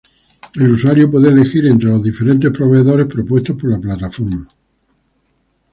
El usuario puede elegir entre los diferentes proveedores propuestos por la plataforma.